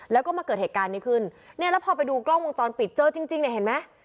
แล้วก็มาเกิดเหตุการณ์นี้ขึ้นเนี่ยแล้วพอไปดูกล้องวงจรปิดเจอจริงจริงเนี่ยเห็นไหม